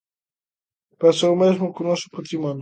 Pasa o mesmo co noso patrimonio.